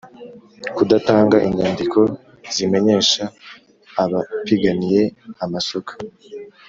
(kudatanga inyandiko zimenyesha abapiganiye amasoko)